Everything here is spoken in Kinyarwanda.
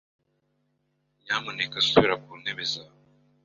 Nyamuneka subira ku ntebe zawe.